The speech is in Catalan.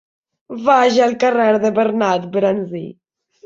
Vaig al carrer de Bernat Bransi.